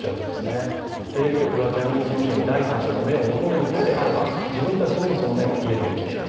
テレビ局がジャニーズ事務所に第三者の目を求めるのであれば、自分たちにも、その目を入れるべきである。